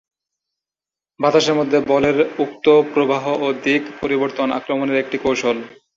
বাতাসের মধ্যে বলের উক্ত প্রবাহ ও দিক পরিবর্তন আক্রমনের একটি কৌশল।